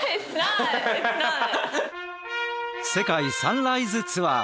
「世界サンライズツアー」